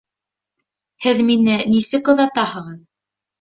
Һеҙ мине нисек оҙатаһығыҙ?